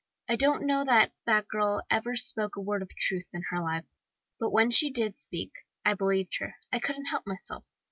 I don't know that that girl ever spoke a word of truth in her life, but when she did speak, I believed her I couldn't help myself.